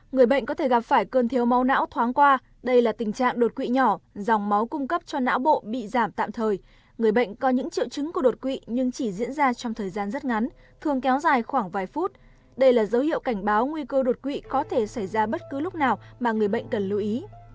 người bệnh có thể gặp phải cơn thiếu máu não thoáng qua đây là tình trạng đột quỵ nhỏ dòng máu cung cấp cho não bộ bị giảm tạm thời người bệnh có những triệu chứng của đột quỵ nhưng chỉ diễn ra trong thời gian rất ngắn thường kéo dài khoảng vài phút đây là dấu hiệu cảnh báo nguy cơ đột quỵ có thể xảy ra bất cứ lúc nào mà người bệnh cần lưu ý